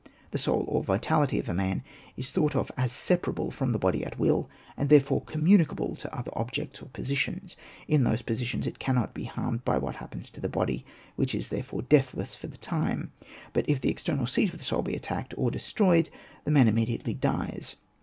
The soul or vitality of a man is thought of as separable from the body at will, and therefore communicable to other objects or positions. In those positions it cannot be harmed by what happens to the body, which is therefore deathless for the time. But if the external seat of the soul be attacked or destroyed, the man immediately dies.